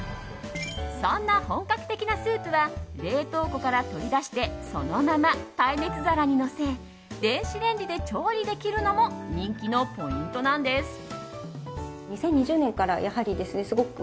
そんな本格的なスープは冷凍庫から取り出してそのまま耐熱皿にのせ電子レンジで調理できるのも人気のポイントなんです。